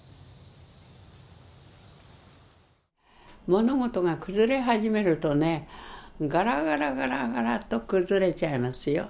物事が崩れ始めるとねガラガラガラガラと崩れちゃいますよ。